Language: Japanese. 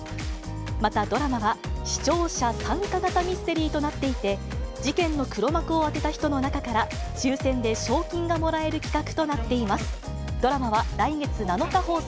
またドラマは、視聴者参加型ミステリーとなっていて、事件の黒幕を当てた人の中から、抽せんで賞金がもらえる企画となっています。